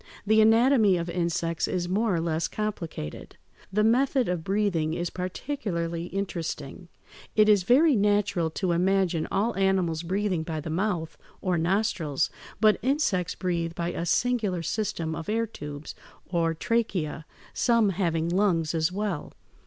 The anatomy of insects is more or less complicated. The method of breathing is particularly interesting. It is very natural to imagine all animals breathing by the mouth or nostrils, but insects breathe by a singular system of air tubes (Fig 159), or tracheæ, some having lungs as well.